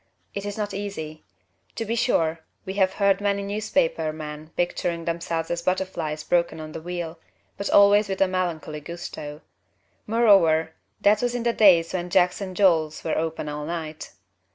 It is not easy. To be sure, we have heard many newspaper men picturing themselves as butterflies broken on the wheel, but always with a melancholy gusto. Moreover, that was in the days when Jack's and Joel's were open all night.